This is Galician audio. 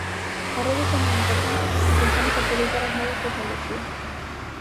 "As redes son moi importantes e pensamos aproveitar as novas tecnoloxías".